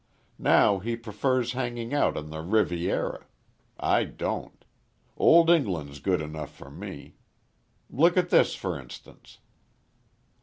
Now he prefers hanging out on the Riviera. I don't. Old England's good enough for me. Look at this for instance."